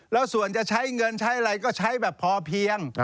แล้วส่วนจะใช้เงินใช้อะไรก็ใช้แบบพอเพียง